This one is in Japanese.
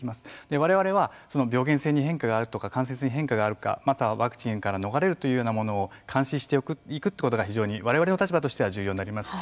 われわれはその病原性に変化があるとか感染性に変化があるかまたはワクチンから逃れるというようなものを監視していくということが非常にわれわれの立場としては重要になりますし